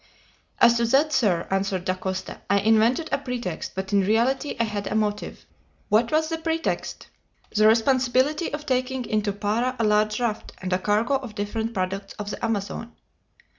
"As to that, sir," answered Dacosta, "I invented a pretext, but in reality I had a motive." "What was the pretext?" "The responsibility of taking into Para a large raft, and a cargo of different products of the Amazon."